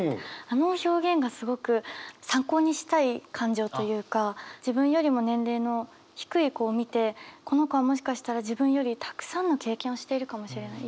あの表現がすごく参考にしたい感情というか自分よりも年齢の低い子を見てこの子はもしかしたら自分よりたくさんの経験をしているかもしれない。